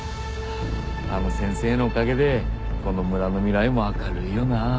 あの先生のおかげでこの村の未来も明るいよな。